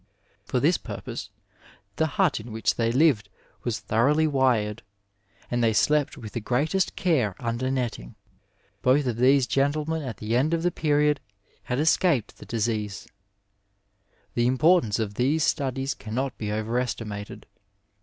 For this purpose the hut in which they lived was thoroughly wired, and they slept with the greatest care under netting, Both of these gentlemen at the end of the period had escaped the disease. The importance of these studies cannot be overestimated.